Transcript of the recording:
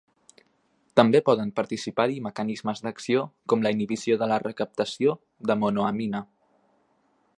També poden participar-hi mecanismes d'acció com la inhibició de la recaptació de monoamina.